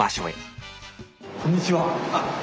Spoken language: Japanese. あっこんにちは。